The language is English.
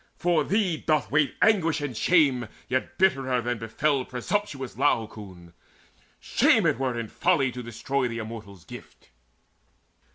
For thee doth wait Anguish and shame yet bitterer than befell Presumptuous Laocoon. Shame it were In folly to destroy the Immortals' gift."